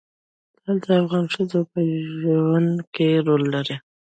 لعل د افغان ښځو په ژوند کې رول لري.